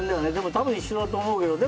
多分一緒だと思うけどね。